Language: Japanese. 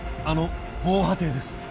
あの防波堤です